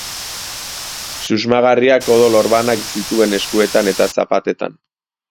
Susmagarriak odol orbanak zituen eskuetan eta zapatetan.